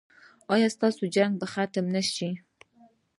ایا ستاسو جنګ به ختم نه شي؟